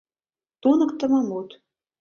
«Туныктымо» мут